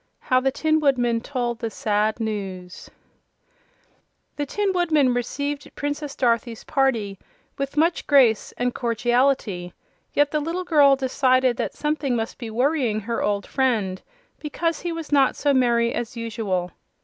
24. How the Tin Woodman Told the Sad News The Tin Woodman received Princess Dorothy's party with much grace and cordiality, yet the little girl decided that something must be worrying with her old friend, because he was not so merry as usual.